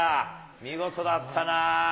見事だったな。